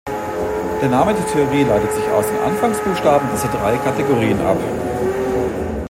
Der Name der Theorie leitet sich aus den Anfangsbuchstaben dieser drei Kategorien ab.